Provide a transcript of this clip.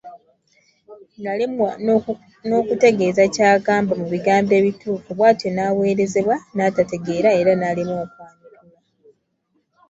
N’alemwa n’okutegeeza ky’agamba mu bigambo ebituufu bw’atyo n’aweerezebwa n’atategeera era n’alemwa okwanukula.